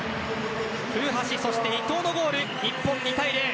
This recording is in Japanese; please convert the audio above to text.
古橋と伊東のゴールで日本、２対０。